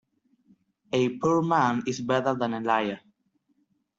A poor man is better than a liar.